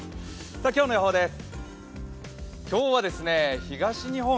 今日の予報です。